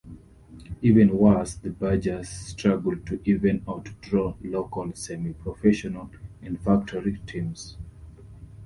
Even worse the Badgers struggled to even outdraw local semi-professional and factory teams.